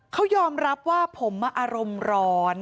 เขายอมรับว่าผมอารมณ์ร้อน